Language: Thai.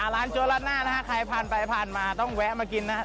ล้านจวราดหน้าครับใครผ่านไปต้องแวะมากินครับ